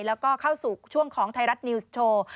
แล้วก็เข้าสู่ช่วงของไทยรัฐนิวส์โชว์